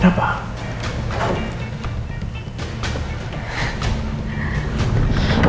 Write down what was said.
jangan jalanin gue